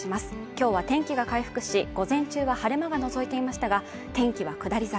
今日は天気が回復し午前中は晴れ間がのぞいていましたが天気は下り坂